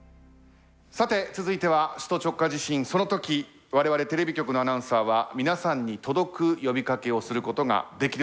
さて続いては首都直下地震その時我々テレビ局のアナウンサーは皆さんに届く呼びかけをすることができるのか。